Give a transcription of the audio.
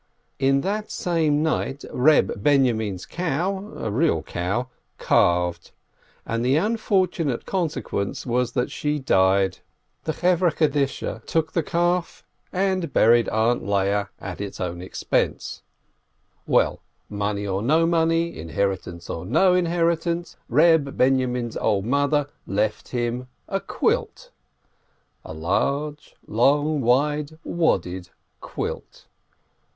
In that same night Reb Binyomin's cow (a real cow) calved, and the unfortunate consequence was that she died. The Funeral Society took the calf, and buried "Aunt" Leah at its own expense. YITZCHOK YOSSEL BROITGEBER 239 Well, money or no money, inheritance or no inherit ance, Eeb Binyomin's old mother left him a quilt, a large, long, wide, wadded quilt.